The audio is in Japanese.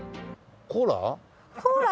コーラ？